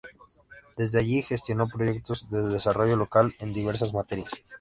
Desde allí gestionó proyectos de desarrollo local en diversas materias.